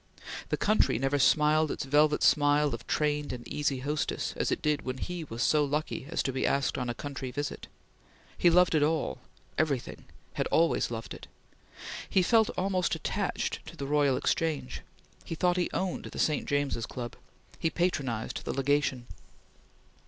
The country never smiled its velvet smile of trained and easy hostess as it did when he was so lucky as to be asked on a country visit. He loved it all everything had always loved it! He felt almost attached to the Royal Exchange. He thought he owned the St. James's Club. He patronized the Legation.